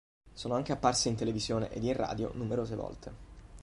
Sono anche apparse in televisione ed in radio numerose volte.